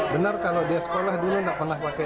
benar kalau dia sekolah dulu nggak pernah pakai